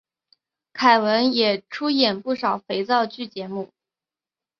凯文也出演不少肥皂剧节目。